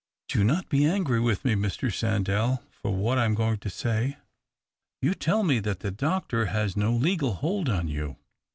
Do not be angry with me, Mr. Sandell, for what I am going to say. You tell me that the doctor has no legal hold on you.